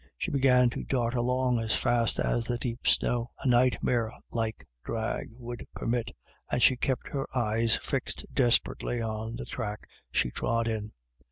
She began to dart along as fast as the deep snow, a nightmare like drag, would permit, and she kept her eyes fixed desperately on the track she trod in.